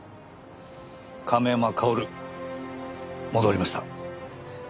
亀山薫戻りました。